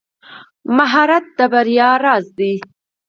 مهارت د بریا راز دی.